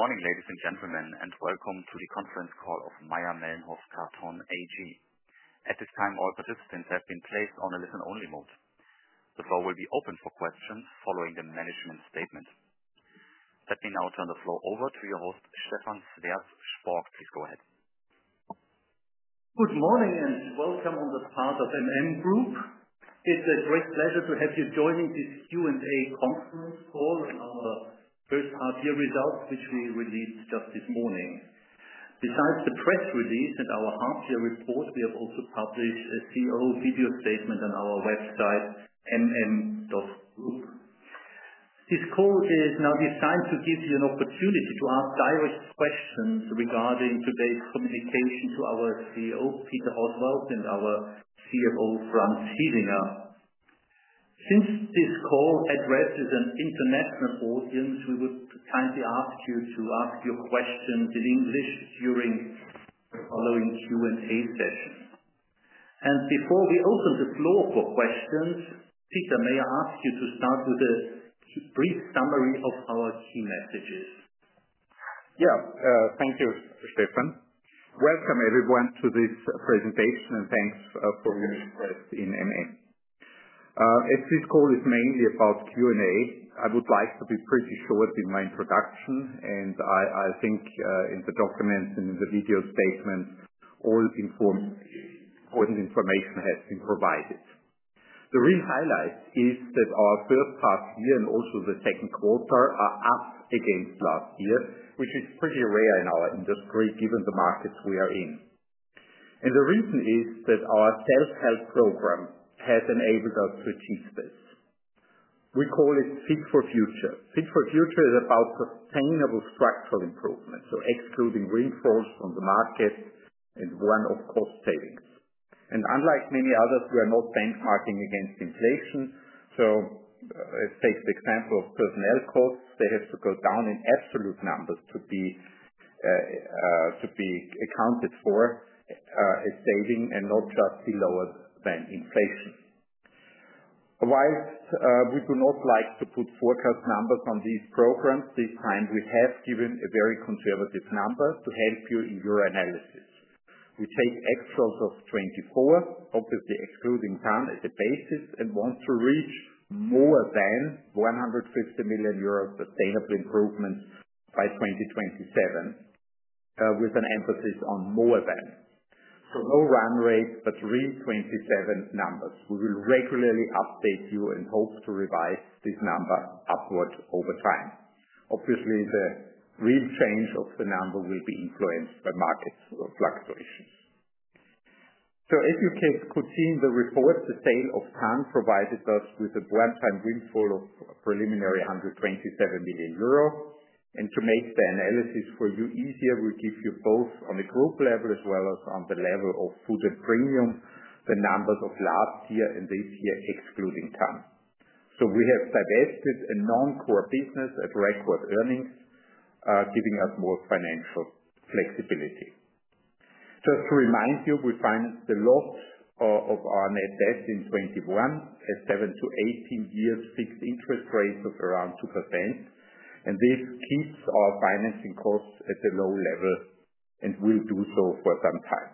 Morning, ladies and gentlemen, and welcome to the conference call of Mayr-Melnhof Karton AG. At this time, all participants have been placed on a listen-only mode. The floor will be open for questions following the management statement. Let me now turn the floor over to your host, Stephan Sweerts-Sporck. Please go ahead. Good morning and welcome on the part of the MM Group. It's a great pleasure to have you joining this Q&A conference call on our first quarter results, which we released just this morning. Besides the press release and our quarterly report, we have also published a CEO video statement on our website, mm.group. This call is now designed to give you an opportunity to ask direct questions regarding today's communication to our CEO Peter Oswald and our CFO Franz Hiesinger. Since this call addresses an international audience, we would kindly ask you to ask your questions in English during the following Q&A sessions. Before we open the floor for questions, Peter, may I ask you to start with a brief summary of our key messages? Thank you, Stephan. Welcome, everyone, to this presentation, and thanks for your request in MA. As this call is mainly about Q&A, I would like to be pretty short in my introduction, and I think in the documents and in the video statements, all important information has been provided. The real highlight is that our third half year and also the second quarter are up against last year, which is pretty rare in our industry given the markets we are in. The reason is that our self-help program has enabled us to achieve this. We call it Fit for Future. Fit for Future is about sustainable structural improvement, so excluding reflows from the market and one-off cost savings. Unlike many others, we are not benchmarking against inflation. Let's take the example of personnel costs. They have to go down in absolute numbers to be accounted for as saving and not just be lower than inflation. Whilst we do not like to put forecast numbers on these programs, this time we have given a very conservative number to help you in your analysis. We take extras of 2024, obviously excluding time as a basis, and want to reach more than 150 million euros of EBITDA improvements by 2027, with an emphasis on more than. No run rates, but real 2027 numbers. We will regularly update you in hopes to revise this number upwards over time. Obviously, the real change of the number will be influenced by market fluctuations. As you can see in the report, the sale of TANN provided us with a one-time windfall of preliminary 127 million euro. To make the analysis for you easier, we give you both on the group level as well as on the level of Food & Premium, the numbers of last year and this year, excluding TANN. We have divested a non-core business at record earnings, giving us more financial flexibility. Just to remind you, we financed a lot of our net debt in 2021 at seven to 18 years, fixed interest rates of around 2%. This keeps our financing costs at the low level and will do so for a long time.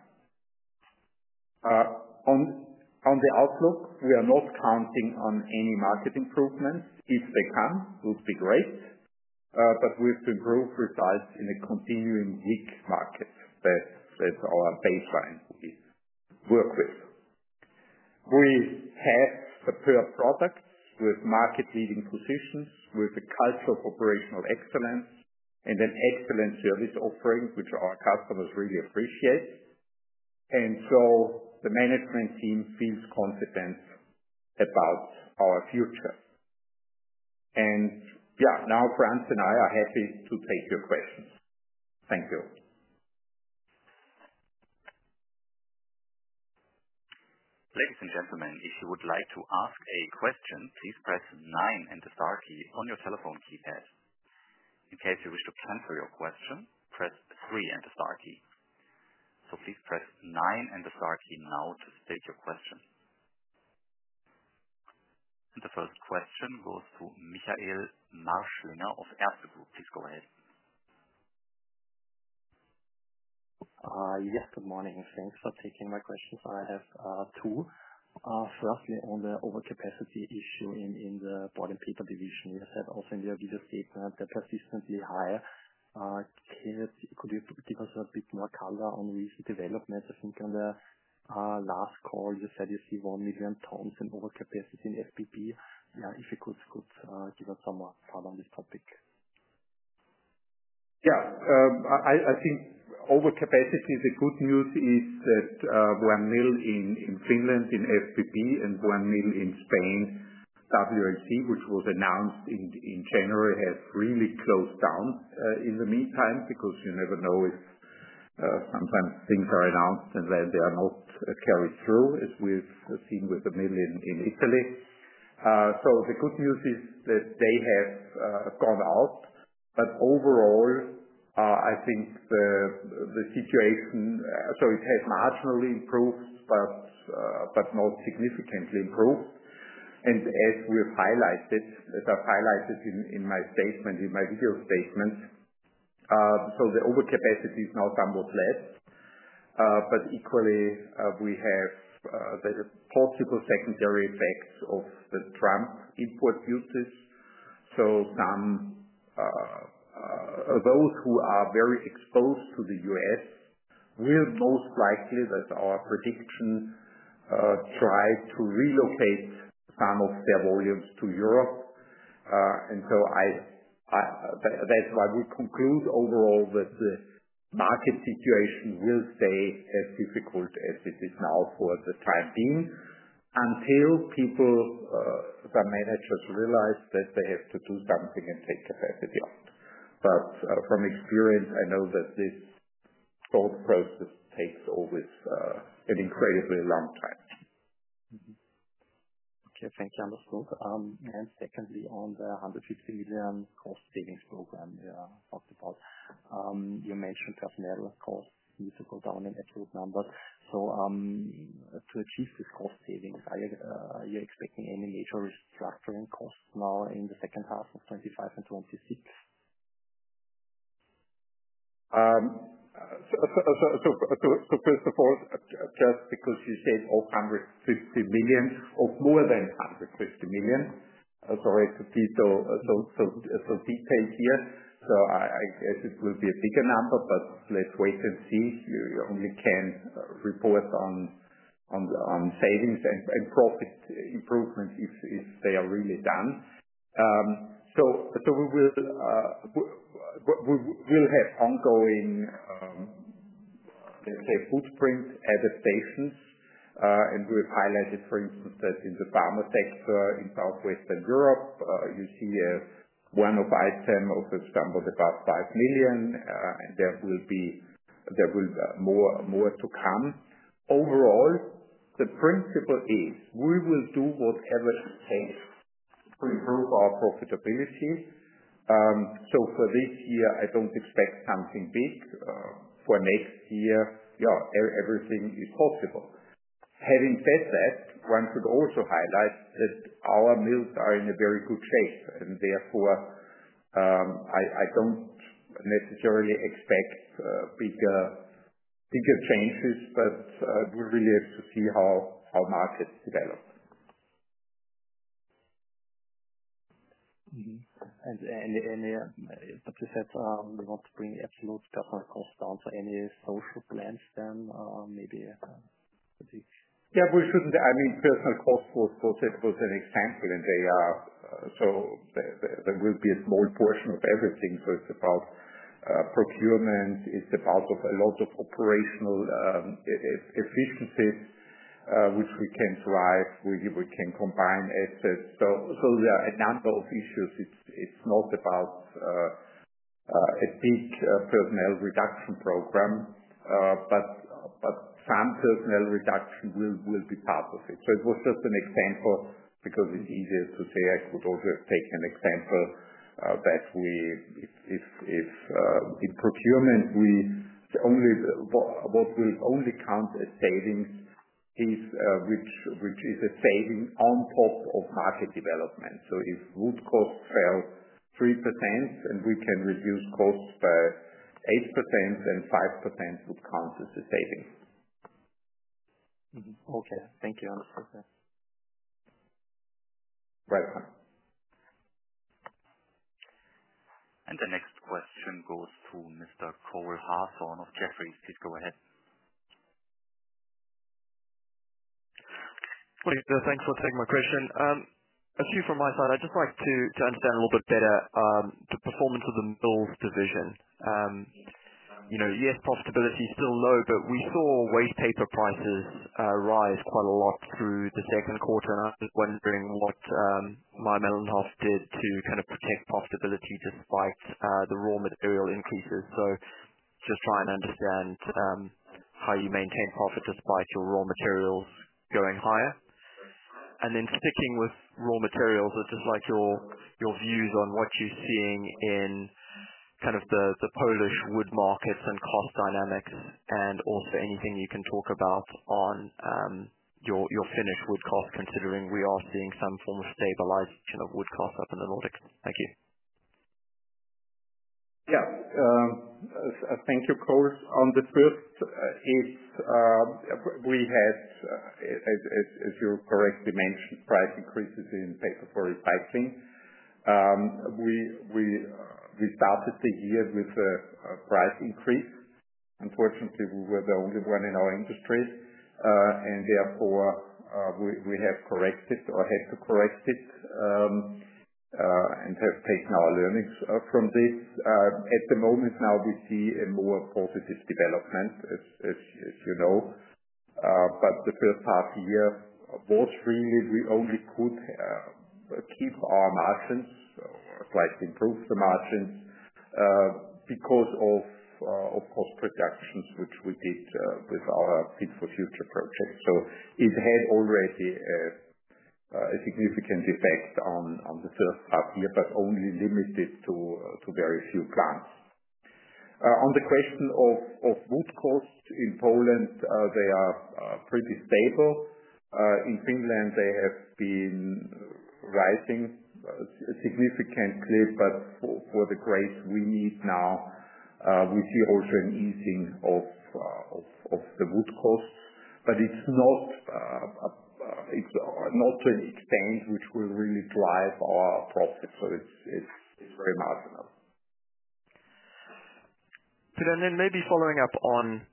On the outlook, we are not counting on any market improvements. If they come, it would be great. We have to improve results in a continuing weak market. That's our baseline we work with. We have a pure product with market-leading positions, with a culture of operational excellence, and an excellent service offering, which our customers really appreciate. The management team feels confident about our future. Franz and I are happy to take your questions. Thank you. Ladies and gentlemen, if you would like to ask a question, please press nine and the star key on your telephone keypad. In case you wish to confer your question, press three and the star key. Please press nine and the star key now to state your question. The first question goes to Michael Marschallinger of Erste Group. Please go ahead. Yes, good morning. Thanks for taking my questions. I have two. Firstly, on the overcapacity issue in the Baden Packaging, we have also in the previous statement that persistently high. Could you give us a bit more color on which development? I think on the last call, you said you see 1 million tons in overcapacity in FPB. If you could give us some thought on this topic. Yeah. I think overcapacity is good news. It's that 1 million in Finland in FPB and 1 million in Spain WLT, which was announced in January, has really closed down in the meantime because you never know if sometimes things are announced and then they are not carried through, as we've seen with the mill in Italy. The good news is that they have gone out. Overall, I think the situation has marginally improved, but not significantly improved. As I've highlighted in my statement, in my video statement, the overcapacity is now somewhat less. Equally, we have the Portugal secondary effects of the Trump import uses. Those who are very exposed to the U.S. will most likely, that is our prediction, try to relocate some of their volumes to Europe. That's why we conclude overall that the market situation will stay as difficult as it is now for the time being until people, the managers, realize that they have to do something and take capacity out. From experience, I know that this thought process always takes an incredibly long time. Yes, thank you, Oswald. On the 150 million cost savings program you talked about, you mentioned personnel costs used to go down in absolute numbers. For the future cost savings, are you expecting any major restructuring costs now in the second half of 2025 and 2026? First of all, just because you said 150 million or more than 150 million, sorry to be so detailed here. I guess it will be a bigger number, but let's wait and see. You only can report on savings and profit improvements if they are really done. We will have ongoing footprints at the stations. We've highlighted, for instance, that in the pharma sector in Southwestern Europe, you see a one-off item of the stumbled about 5 million. There will be more to come. Overall, the principle is we will do whatever it takes to improve our profitability. For this year, I don't expect something big. For next year, yeah, everything is possible. Having said that, one could also highlight that our mills are in a very good shape. Therefore, I don't necessarily expect bigger changes, but we really have to see how markets develop. You said you want to bring absolute structural costs down. Are there any social plans then? Maybe a couple of things. Yeah, we shouldn't. I mean, personnel costs, for example, and they are, so there will be a small portion of everything. It's about procurement. It's about a lot of operational efficiencies, which we can drive. We can combine assets. There are a number of issues. It's not about a huge personnel reduction program, but some personnel reduction will be part of it. It was just an example because it's easier to say. I could also take an example that if in procurement, what will only count as savings is which is a saving on top of market development. If raw costs are 3% and we can reduce costs by 8%, then 5% would count as a saving. Okay. Thank you, Oswald. Right. The next question goes to Mr. Cole Hathorn of Jefferies. Please go ahead. Thank you for taking my question. A few from my side. I'd just like to understand a little bit better the performance of the mills division. You know, the U.S. profitability is still low, but we saw waste paper prices rise quite a lot through the second quarter. I'm wondering what Mayr-Melnhof did to kind of protect profitability despite the raw material increases. Just trying to understand how you maintain profit despite your raw material going higher. Sticking with raw materials, I'd just like your views on what you're seeing in the Polish wood markets and cost dynamics. Also, anything you can talk about on your Finnish wood costs, considering we are seeing some form of stabilization of wood costs up in the Nordics. Thank you. Yeah, thank you, Cole. On the first, as you correctly mentioned, price increases in paper for recycling. We started the year with a price increase. Unfortunately, we were the only one in our industry, and therefore, we have corrected or had to correct it, and have taken our learnings from this. At the moment now, we see a more positive development, as you know. The first half of the year was really, we only could keep our margins or try to improve the margins because of cost reductions, which we did with our Fit for Future project. It had already a significant effect on the first half of the year, but only limited to very few plants. On the question of wood costs in Poland, they are pretty stable. In Finland, they have been rising significantly, but for the grades we need now, we see also an easing of the wood costs. It's not an expense which will really drive our profits. It's very marginal. Maybe following up on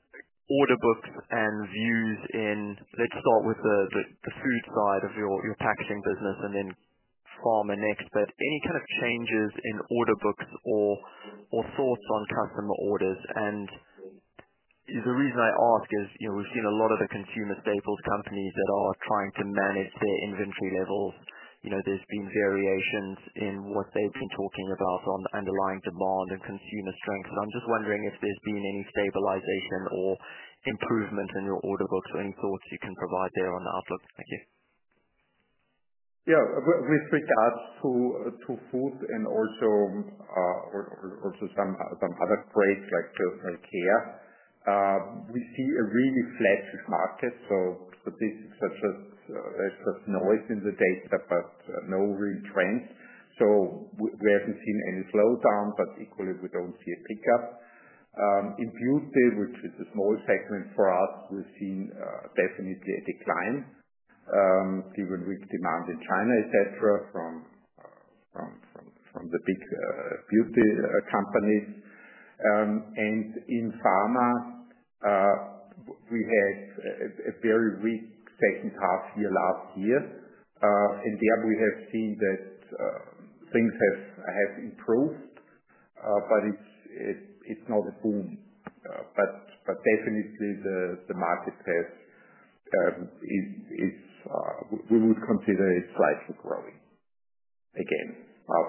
order books and views in, let's start with the food side of your packaging business. From an expert, any kind of changes in order books or thoughts on customer orders? The reason I ask is, you know, we've seen a lot of the consumer staples companies that are trying to manage their inventory levels. There's been variations in what they've been talking about on underlying demand and consumer strength. I'm just wondering if there's been any stabilization or improvement in your order books or any thoughts you can provide there on the outlook. Thank you. Yeah. With regards to food and also some other trades like care, we see a really flexible market. This is just noise in the data, but no real trends. We haven't seen any slowdown, but equally, we don't see a pickup. In beauty, which is a small segment for us, we've seen definitely a decline. Even weak demand in China, etc., from the big beauty companies. In pharma, we had a very weak second half year last year. There we have seen that things have improved, but it's not a boom. Definitely, the market has, we would consider, it's slightly growing again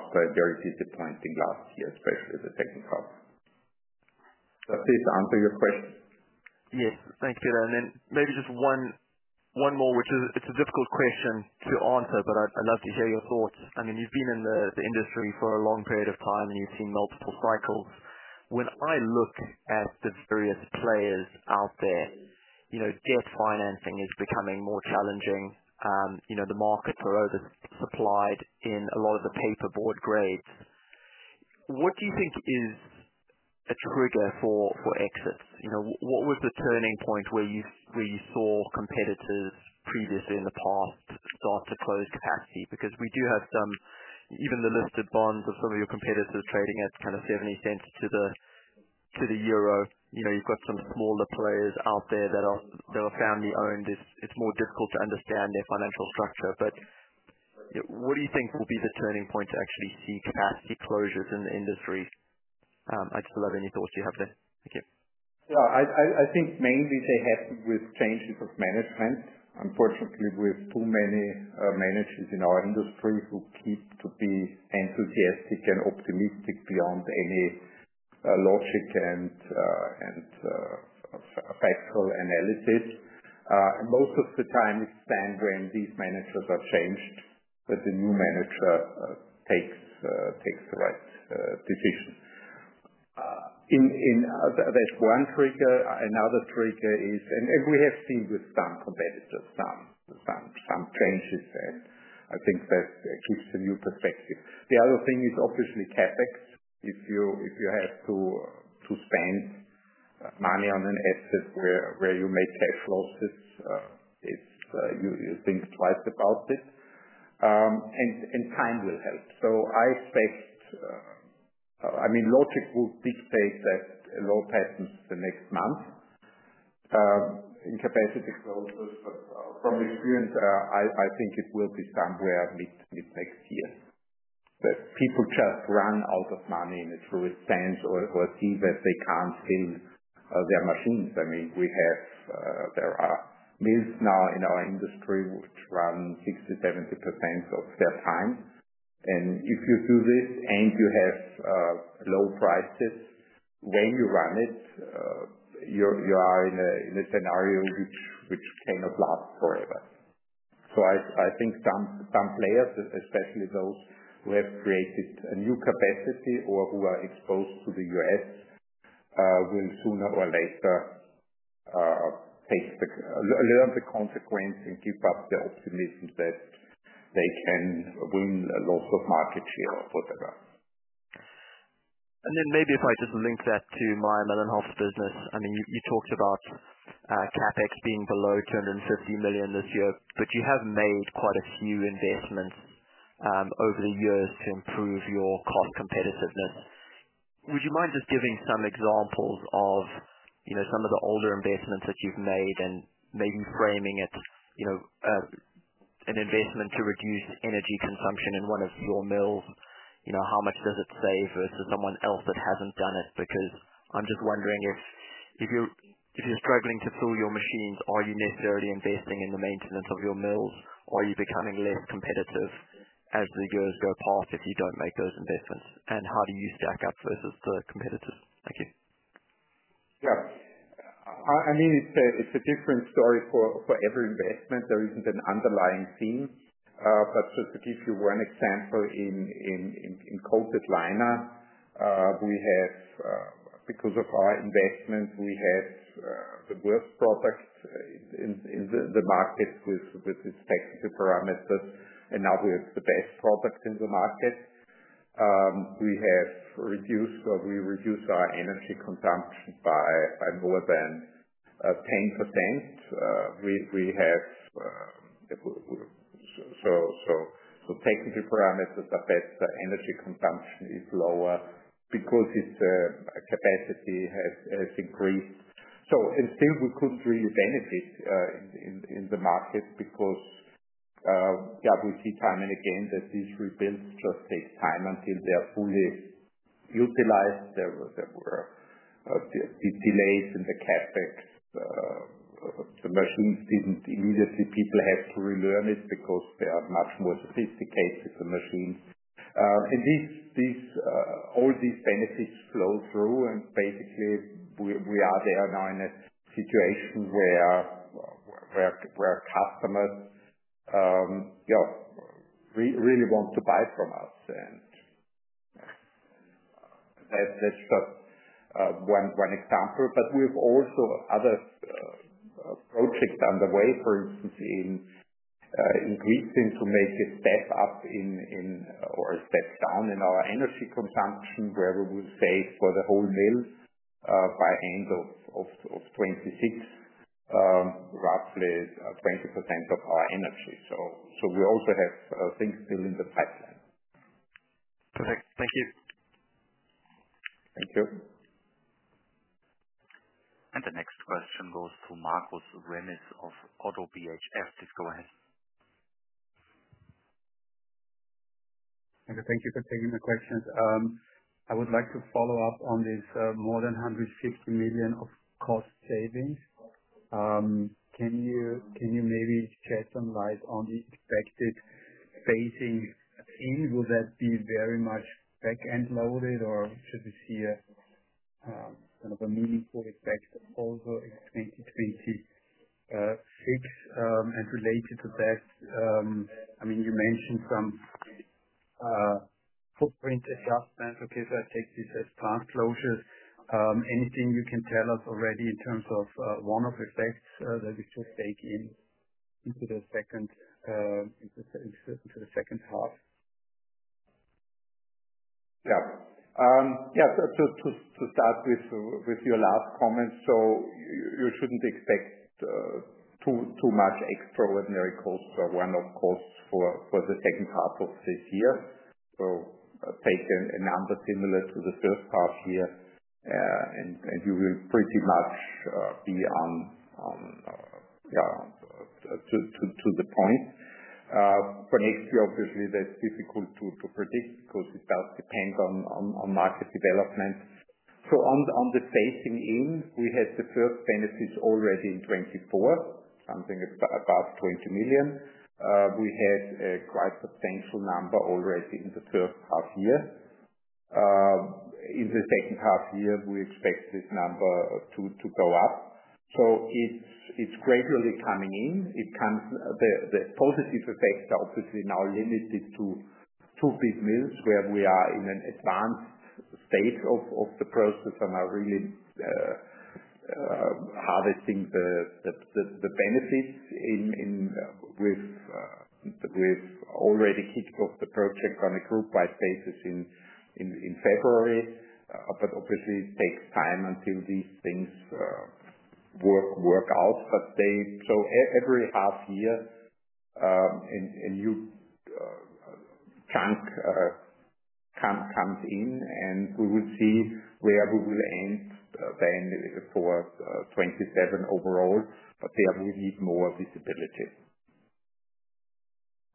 after there is this decline in last year, especially the second half. Does this answer your question? Yes, thank you. Maybe just one more, which is a difficult question to answer, but I'd love to hear your thoughts. I mean, you've been in the industry for a long period of time, and you've seen multiple cycles. When I look at the various players out there, debt financing is becoming more challenging. The market is oversupplied in a lot of the paperboard grades. What do you think is a trigger for exits? What was the turning point where you saw competitors previously in the past start to close capacity? We do have some, even the listed bonds of some of your competitors are trading at around 0.70 to the euro. You've got some smaller players out there that are family-owned. It's more difficult to understand their financial structure. What do you think will be the turning point to actually see capacity closures in the industry? I'd just love any thoughts you have there. Thank you. Yeah. I think mainly they have to do with change because management. Unfortunately, we have too many managers in our industry who keep to be enthusiastic and optimistic beyond any logic and factual analysis. Most of the time, it's standard when these managers are changed, but the new manager takes the right decision. That's one trigger. Another trigger is, and we have seen with some competitors some changes and I think that gives a new perspective. The other thing is obviously CapEx. If you have to spend money on an asset where you make cash losses, you think twice about it. Time will help. I expect, I mean, logic will dictate that a lot happens the next month. In capacity closures, from experience, I think it will be somewhere mid-next year. People just run out of money in a true sense or see that they can't fill their machines. I mean, there are mills now in our industry which run 60%, 70% of their time. If you do this and you have low prices, when you run it, you are in a scenario which cannot last forever. I think some players, especially those who have created a new capacity or who are exposed to the U.S., will sooner or later learn the consequence and give up the optimism that they can win a lot of market share or whatever. Maybe if I could link that to Mayr-Melnhof business. You talked about CapEx being below 250 million this year, but you have made quite a few investments over the years to improve your competitiveness. Would you mind just giving some examples of some of the older investments that you've made and maybe framing it, you know, an investment to reduce energy consumption in one of your mills? How much does it save versus someone else that hasn't done it? I'm just wondering if you're struggling to fill your machines, are you necessarily investing in the maintenance of your mill, or are you becoming less competitive as the years go past if you don't make those investments? How do you stack up versus the competitors? Thank you. Yeah. I mean, it's a different story for every investment. There isn't an underlying theme. Just to give you one example, in COVID LYNA, because of our investments, we had the worst product in the market with its flexible parameters. Now we have the best product in the market. We have reduced our energy consumption by more than 10%. We have technical parameters that are better. Energy consumption is lower because its capacity has increased. Until we couldn't really benefit in the market because we see time and again that these rebuilds just take time until they are fully utilized. There were delays in the CapEx. The machines didn't immediately, people had to relearn it because they are much more sophisticated machines. All these benefits flow through. Basically, we are there now in a situation where customers really want to buy from us. That's just one example. We have also other projects underway, for instance, in Petsense to make the step up in or steps down in our energy consumption where we will save for the whole mill by the end of 2026, roughly 20% of our energy. We also have things still in the pipeline. Perfect. Thank you. Thank you. The next question goes to Markus Remis of ODDO BHF. Please go ahead. Thank you for taking the questions. I would like to follow up on this more than 150 million of cost savings. Can you maybe shed some light on the expected phasing in? Will that be very much back-end loaded, or should we see a meaningful effect also in 2023 fixed and related to this? I mean, you mentioned some footprint adjustment. Okay, so I take this as fast closures. Anything you can tell us already in terms of one-off effects that we should take into the second half? Yeah. Yeah. To start with your last comment, you shouldn't expect too much extraordinary costs or one-off costs for the second half of this year. Take a number similar to the first half here, and you will pretty much be on, yeah, to the point. For next year, obviously, that's difficult to predict because it does depend on market development. On the phasing in, we had the first benefits already in 2024, something above 20 million. We have a quite substantial number already in the first half year. In the second half year, we expect this number to go up. It's gradually coming in. The positive effects are obviously now limited to two businesses where we are in an advanced state of the process and are really harvesting the benefits in with already kicked off the project on a group-by-basis in February. Obviously, it takes time until these things work out. They show every half year, a new chunk comes in, and we will see where we will end then for 2027 overall, but they have really more visibilities.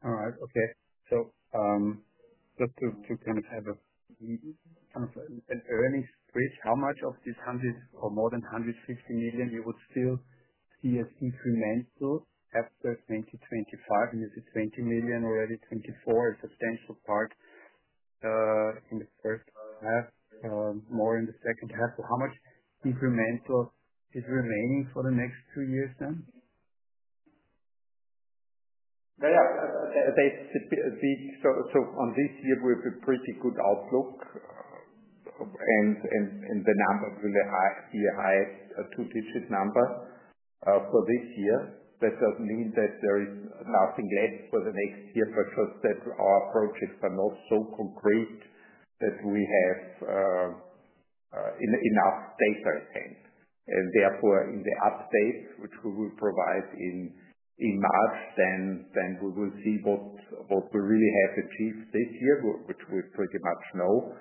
All right. Okay. Just to kind of have a kind of an earnings bridge, how much of this 150 million you would still see as incremental after 2025? This is 20 million already. 2024 is a substantial part in the first half, more in the second half. How much incremental is remaining for the next two years then? Yeah, okay. On this year, we have a pretty good outlook, and the number will be the highest two-digit number for this year. That doesn't mean that there is nothing left for the next year, just that our approaches are not so concrete that we have enough data again. Therefore, in the update, which we will provide in March, we will see what we really have achieved this year, which we pretty much know,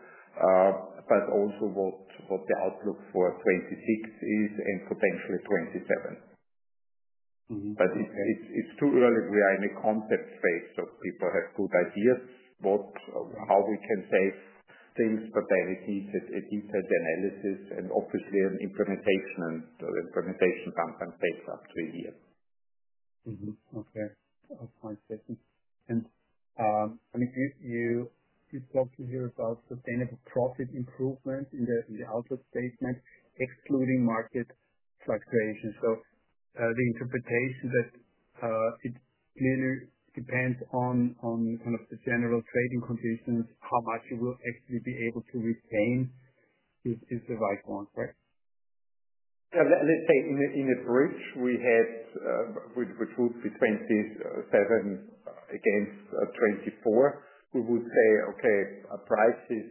but also what the outlook for 2026 is and potentially 2027. It's too early. We are in a concept phase, so people have good ideas about how we can save things, but that is easier to do an analysis and obviously an implementation and implementation bump and take after a year. Okay. I'll pause a second. I mean, you did something here about sustainable profit improvement in the output statement, excluding market fluctuations. The interpretation that it clearly depends on kind of the general trading conditions, how much you will actually be able to retain is the right one, correct? Yeah. In a bridge, we have with foods in 2027 against 2024, we would say, okay, our prices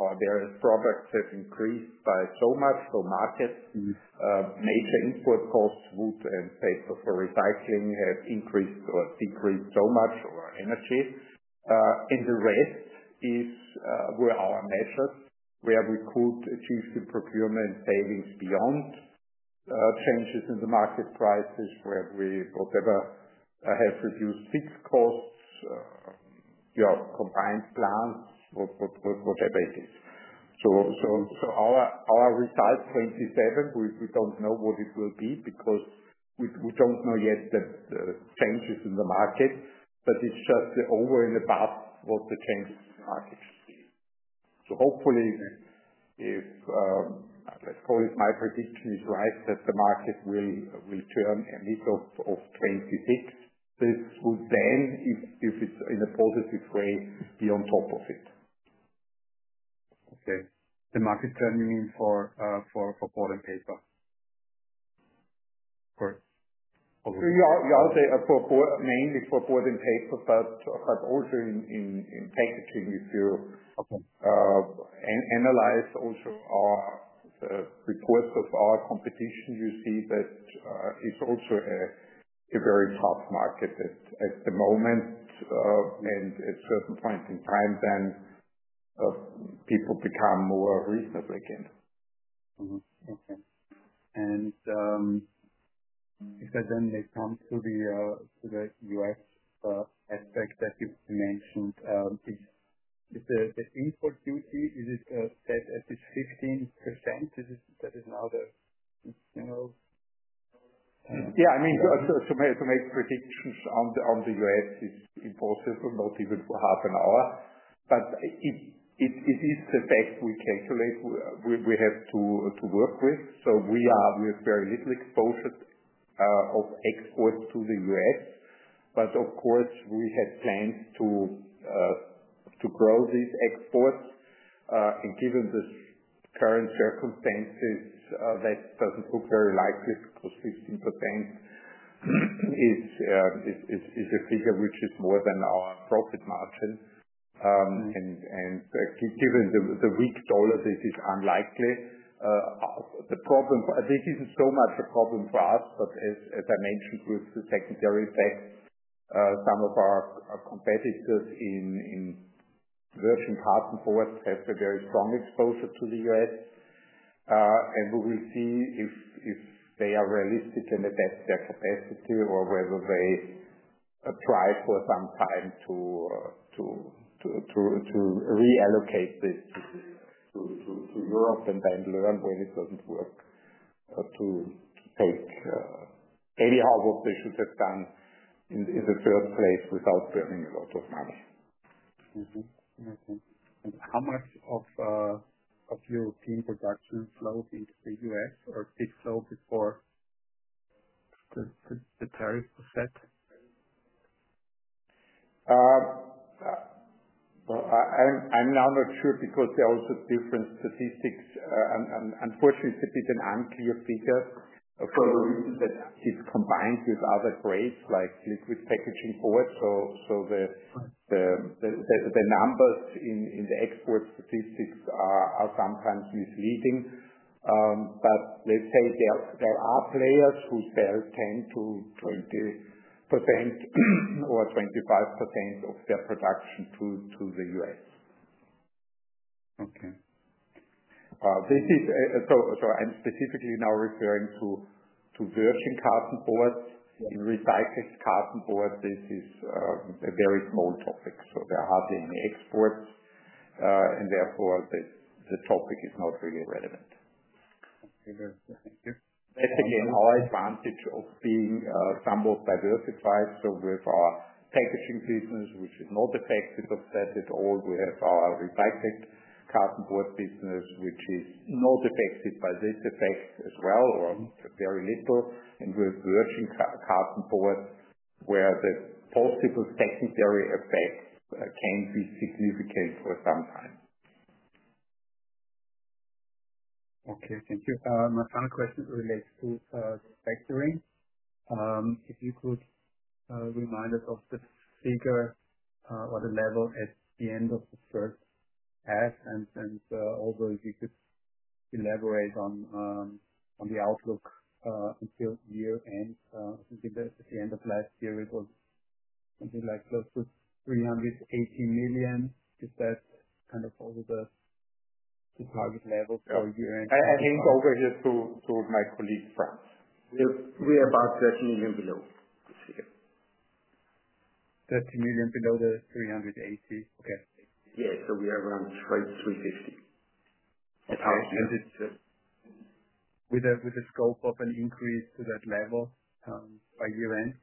or various products have increased by so much. Markets, major import costs, wood and paper for recycling have increased or decreased so much, or energy. The rest is where our measures, where we could achieve the procurement savings beyond changes in the market prices, where we, whatever, have reduced fixed costs, your compliance plan, whatever it is. Our results for 2027, we don't know what it will be because we don't know yet the changes in the market, but it's just the over and above what the changes in the market is. Hopefully, if, let's call it, my prediction is right that the market will return in the middle of 2026, this will then, if it's in a positive way, be on top of it. Okay. The market trend meaning for board and paper? Correct. You are mainly for board and paper, but also in packaging. If you analyze also our reports of our competition, you see that it's also a very tough market at the moment. At a certain point in time, people become more reasonable again. Okay. If that then comes to the U.S. aspect that you mentioned, is the import duty at 15%? That is another. Yeah. I mean, to make predictions on the U.S. is impossible, not even for half an hour. If this is the best we calculate, we have to work with it. We are with very little exposure of exports to the U.S., but of course, we had plans to grow these exports. Given the current circumstances, that doesn't look very likely because 15% is a figure which is more than our profit margin. Given the weak dollar, this is unlikely. The problem isn't so much the problem for us, but as I mentioned with the secondary effect, some of our competitors in the virgin parts and board have a very strong exposure to the U.S. We will see if they are realistic and adapt their capacity or whether they try for some time to reallocate this to Europe and then learn when it doesn't work to take any harm what they should have done in the first place without saving a lot of money. How much of your team production flowed into the U.S. or did flow before the tariffs were set? I'm now not sure because there are also different statistics. Unfortunately, it's a bit of an unclear figure for the reason that it's combined with other grades like liquid packaging board. The numbers in the export statistics are sometimes misleading. Let's say there are players who tend to 20% or 25% of their production to the U.S. Okay. I'm specifically now referring to virgin cartonboard. In recycled cartonboard, this is a very small topic. There are hardly any exports, and therefore, the topic is not really relevant. I understand. That's again our advantage of being somewhat diversified. We have our packaging business, which is not affected by that at all. We have our recycled cartonboard business, which is not affected by this effect as well or very little. With virgin cartonboard, where the possible secondary effects can be significant for some time. Okay. Thank you. My final question relates to the factoring. If you could remind us of the figure or the level at the end of the first half. If you could elaborate on the outlook until year end, if you end up last year, it was something like close to 380 million. Is that kind of also the target level for year end? I hand over here to my colleague, Franz. We are about 30 million below this year. 30 million below the 380 million. Okay. Yes, we are around 350. With a scope of an increase to that level by year end?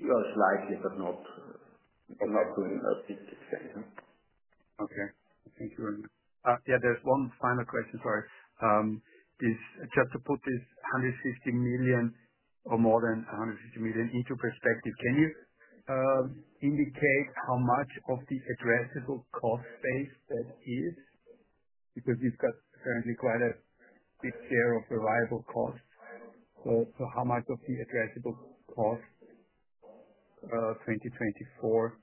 It was likely, but not too significant. Okay. Thank you very much. There's one final question for you. Just to put this 150 million or more than 150 million into perspective, can you indicate how much of the addressable cost space that is? Because we've got currently quite a bit there of the variable costs. How much of the addressable cost 2024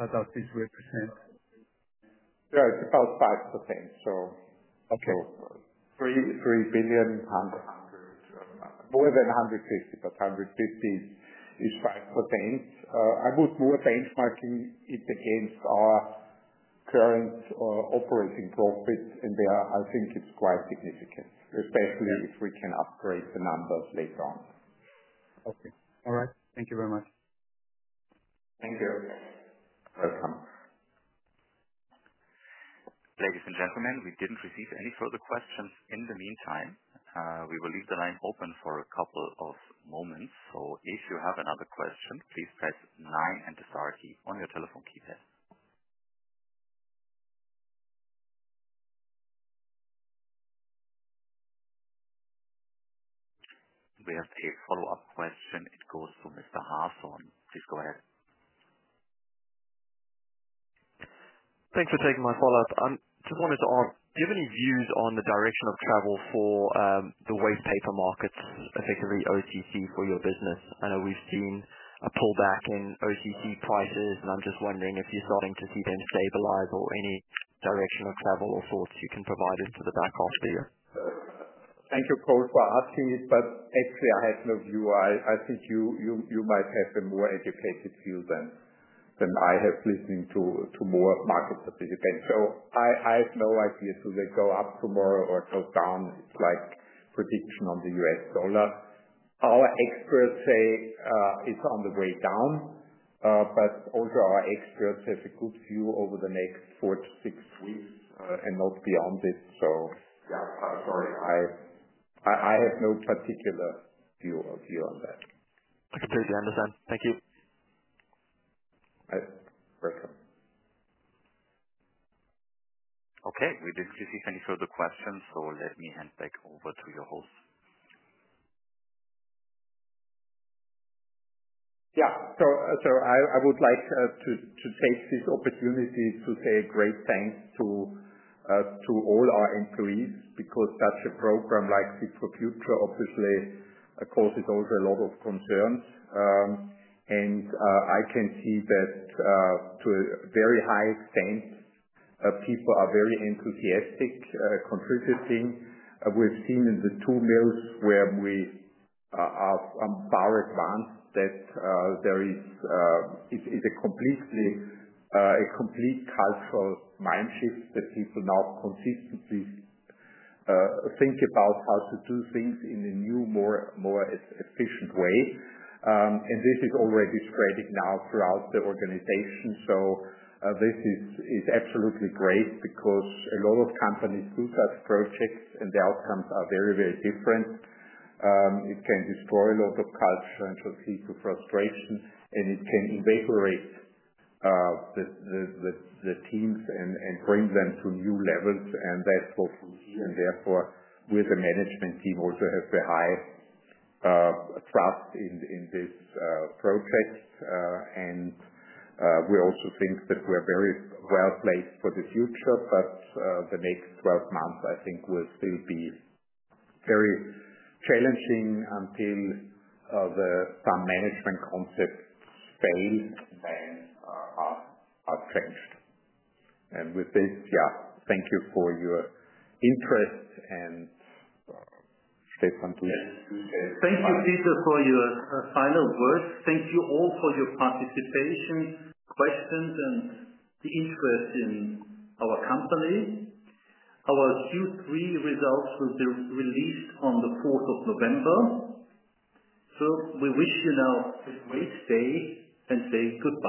does this represent? Yeah, it's about 5%. 3 billion or more than 150, but 150 is 5%. I would do a benchmarking against our current operating profits, and I think it's quite significant, especially if we can upgrade the number later on. Okay. All right. Thank you very much. Thank you. You're welcome. Ladies and gentlemen, we didn't receive any further questions. In the meantime, we will leave the line open for a couple of moments. If you have another question, please press 9 and the star key on your telephone keypad. We have a follow-up question. It goes to Mr. Hathorn, the graph. Thanks for taking my call out. I just wanted to ask, do you have any views on the direction of travel for the waste paper markets, particularly OTC for your business? Are we seeing a pullback in OTC prices? I'm just wondering if you're starting to see them stabilize or any direction of travel or thoughts you can provide into the back half of the year? Thank you, Cole, for asking this, but actually, I had no view. I think you might have been more educated here than I have listening to more market participants. I have no idea if we go up tomorrow or go down. It's like prediction on the U.S. dollar. Our experts say it's on the way down, but also our experts have a good view over the next four to six weeks and not beyond this. I have no particular view on that. I completely understand. Thank you. Welcome. Okay. We didn't receive any further questions, so let me hand back over to your host. Yeah. I would like to take this opportunity to say a great thanks to all our employees because a program like Fit for Future officially causes also a lot of concern. I can see that to a very high extent, people are very enthusiastic contributing. We've seen in the two mills where we are far advanced that there is a complete cultural mind shift, that people now consistently think about how to do things in a new, more efficient way. This is already spreading now throughout the organization. This is absolutely great because a lot of companies do such projects and the outcomes are very, very different. It can destroy a lot of culture and proceed to frustration, and it can invigorate the teams and bring them to new levels. That's what we see. Therefore, with the management team, we also have a high trust in this project. We also think that we're very well placed for the future. The next 12 months, I think, will still be very challenging until some management concepts fail and are changed. With this, thank you for your interest and stay tuned. Thank you, Peter, for your final words. Thank you all for your participation, questions, and the interest in our company. Our Q3 results will be released on November. We wish you now a great day and stay super.